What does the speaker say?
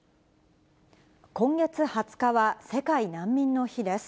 今月２０日は世界難民の日です。